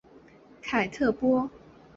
凯特波。